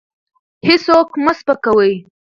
هېڅوک مه سپکوئ.